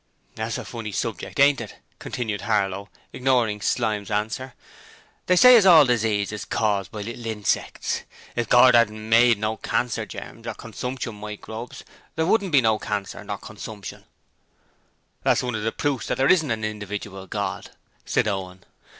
'That's a funny subject, ain't it?' continued Harlow, ignoring Slyme's answer. 'They say as all diseases is caused by little insects. If Gord 'adn't made no cancer germs or consumption microbes there wouldn't be no cancer or consumption.' 'That's one of the proofs that there ISN'T an individual God,' said Owen.